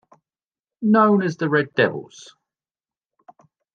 Known as the Red Devils.